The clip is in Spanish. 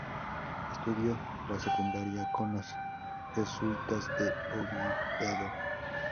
Estudió la Secundaria con los jesuitas de Oviedo.